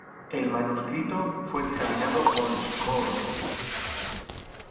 El manuscrito fue examinado por Scholz.